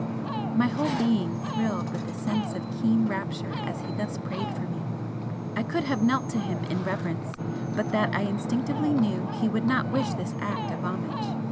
My whole being thrilled with a sense of keen rapture as he thus prayed for me, I could have knelt to him in reverence but that I instinctively knew he would not wish this act of homage.